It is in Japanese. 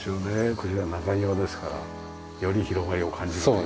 こちら中庭ですからより広がりを感じるという。